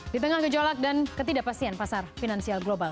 di tengah gejolak dan ketidakpastian pasar finansial global